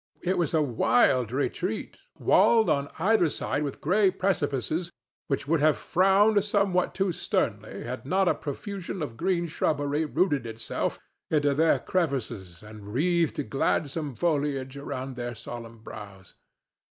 It was a wild retreat walled on either side with gray precipices which would have frowned somewhat too sternly had not a profusion of green shrubbery rooted itself into their crevices and wreathed gladsome foliage around their solemn brows.